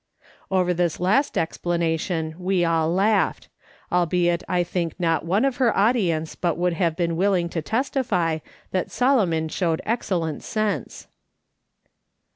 Over this last explanation we all laughed ; albeit I think not one of her audience but would have been willing to testify that Solomon showed excel lent sense.